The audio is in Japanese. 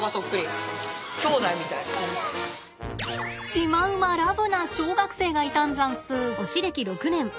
シマウマラブな小学生がいたんざんす。